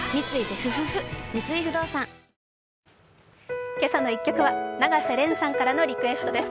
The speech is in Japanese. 三井不動産「けさの１曲」は永瀬廉さんからのリクエストです。